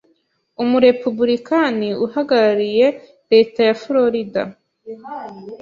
umurepubulikani uhagarariye leta ya Florida.